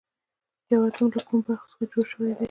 یو اتوم له کومو برخو څخه جوړ شوی دی